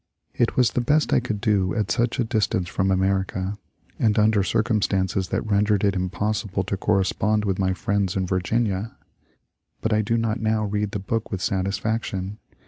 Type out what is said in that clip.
It was the best I could do at such a distance from America, and under circumstances that rendered it impossible to correspond with my friends in Vir ginia ; but I do not now read the book with satisfaction.